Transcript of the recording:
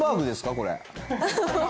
これ。